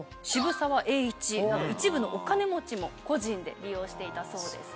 一部のお金持ちも個人で利用していたそうです。